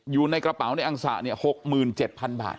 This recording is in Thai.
อยู่ในกระเป๋าในอังษะเนี่ยหกหมื่นเจ็ดพันบาท